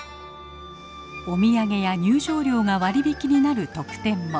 お土産や入場料が割引になる特典も。